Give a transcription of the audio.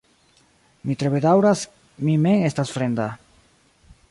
Mi tre bedaŭras, mi mem estas fremda.